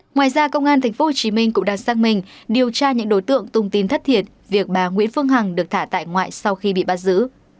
ngoài ra công an tp hcm cũng đang xác minh điều tra những đối tượng tung tin thất thiệt việc bà nguyễn phương hằng được thả tại ngoại sau khi bị bắt giữ